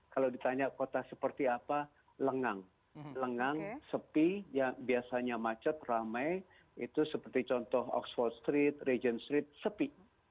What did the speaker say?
kalau ditanya kota seperti apa lengang lengang sepi yang biasanya macet ramai itu seperti contoh oxford street region street sepi